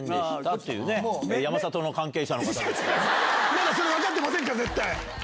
まだ分かってませんから絶対。